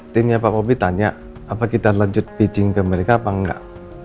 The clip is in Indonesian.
timnya pak kopi tanya apa kita lanjut pitching ke mereka apa enggak